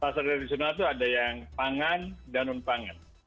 pasar tradisional itu ada yang pangan dan non pangan